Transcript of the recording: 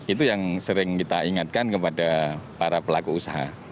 itu yang sering kita ingatkan kepada para pelaku usaha